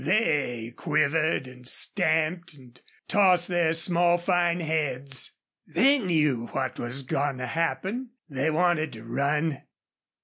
They quivered and stamped and tossed their small, fine heads. They knew what was going to happen. They wanted to run.